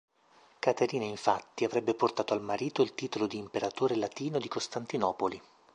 Caterina infatti avrebbe portato al marito il titolo di Imperatore latino di Costantinopoli.